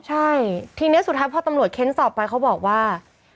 ใช่ทีนี้สุดท้ายพอตำรวจเค้นสอบไปเขาบอกว่า